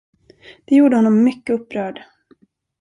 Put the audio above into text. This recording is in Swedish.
Det gjorde honom mycket upprörd.